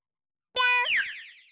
ぴょん！